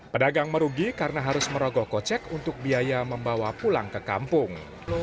pedagang merugi karena harus merogoh kocek untuk biaya membawa pulang ke kampung